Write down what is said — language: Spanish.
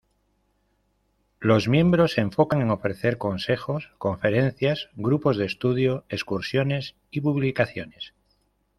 Los miembros se enfocan en ofrecer consejos, conferencias, grupos de estudio, excursiones y publicaciones.